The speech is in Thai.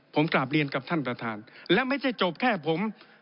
ผมกลับเรียนกับท่านประธานและไม่ใช่จบแค่ผม